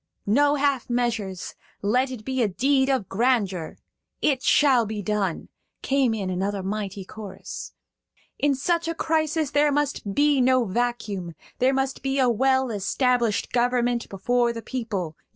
"No half measures; let it be a deed of grandeur!" "It shall be done!" came in another mighty chorus. "In such a crisis there must be no vacuum. There must be a well established government before the people.